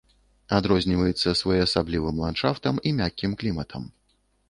Адрозніваецца своеасаблівым ландшафтам і мяккім кліматам.